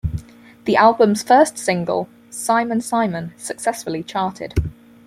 The album's first single, "Simon Simon", successfully charted.